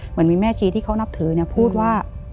เหมือนมีแม่ชีที่เขานับถือพูดว่า